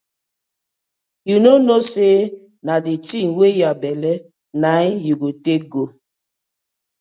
Yu no kno say na di tin wey yah belle na im yu go take go.